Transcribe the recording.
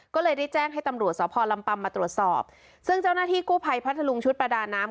ก็เลยได้แจ้งให้ตำรวจสพลำปำมาตรวจสอบซึ่งเจ้าหน้าที่กู้ภัยพัทธลุงชุดประดาน้ำ